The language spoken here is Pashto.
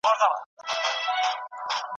د رڼا بدلون پټ توري راښکاره کوي.